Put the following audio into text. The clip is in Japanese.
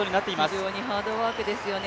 非常にハードワークですよね。